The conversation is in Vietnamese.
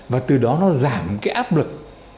và từ đó nó giảm cái áp lực